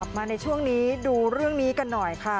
มาในช่วงนี้ดูเรื่องนี้กันหน่อยค่ะ